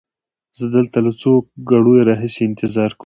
زه دلته له څو ګړیو را هیسې انتظار کومه.